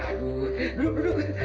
aduh duduk duduk